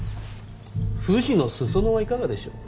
富士の裾野はいかがでしょう。